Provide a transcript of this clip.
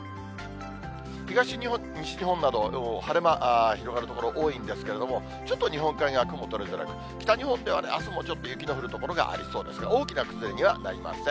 東日本、西日本など、晴れ間広がる所多いんですけれども、ちょっと日本海側、雲取れづらく、北日本ではね、あすもちょっと雪の降る所がありそうですが、大きな崩れにはなりません。